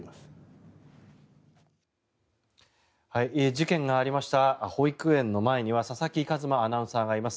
事件がありました保育園の前には佐々木一真アナウンサーがいます。